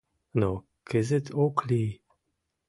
Но кызыт ок лий.